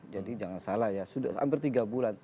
jadi jangan salah ya sudah hampir tiga bulan